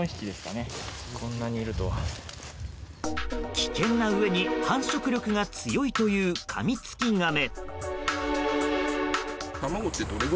危険なうえに繁殖力が強いというカミツキガメ。